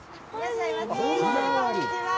こんにちは。